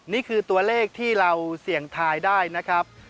นี่คือตัวเลขที่เราเสี่ยงทายได้นะครับ